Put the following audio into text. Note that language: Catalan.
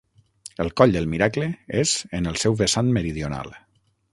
El Coll del Miracle és en el seu vessant meridional.